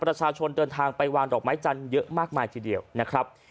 ประชาชนเดินทางไปวางดอกไม้จันทร์เยอะมากมายทีเดียวนะครับ